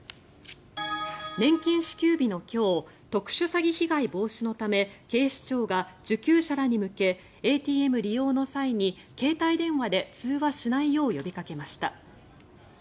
年金支給日の今日特殊詐欺被害防止のため警視庁が受給者らに向けＡＴＭ利用の際に携帯電話で通話しないよう呼びかけました。